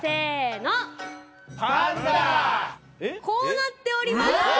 こうなっております。